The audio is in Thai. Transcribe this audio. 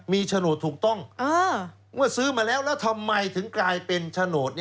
มีโฉนดถูกต้องเมื่อซื้อมาแล้วแล้วทำไมถึงกลายเป็นโฉนด